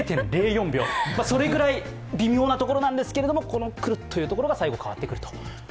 それぐらい微妙なところなんですけれども、クルッてところが最後、変わってくると。